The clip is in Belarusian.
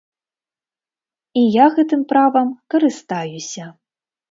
І я гэтым правам карыстаюся.